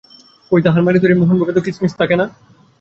কই তাহার মায়ের তৈরি মোহনভোগে তো কিসমিস থাকে না?